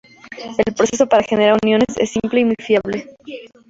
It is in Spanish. El proceso para generar uniones es simple y muy fiable.